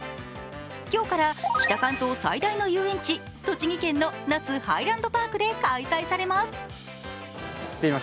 今日から北関東最大の遊園地、栃木県の那須ハイランドパークで開催されます。